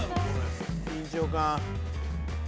緊張感。